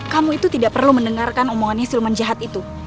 kamu itu tidak perlu mendengarkan omongannya sulman jahat itu